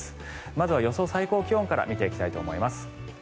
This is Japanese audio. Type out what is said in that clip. まずは予想最高気温から見ていきたいと思います。